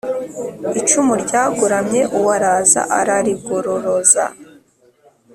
Icumu ryagoramye* uwo araza ararigororoza.